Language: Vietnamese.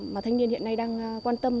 mà thanh niên hiện nay đang quan tâm